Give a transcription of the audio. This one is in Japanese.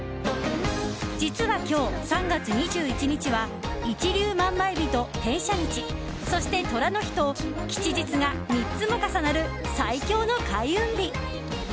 実は今日３月２１日は一粒万倍日と天赦日そして寅の日と吉日が３つも重なる最強の開運日。